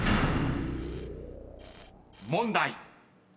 ［問題］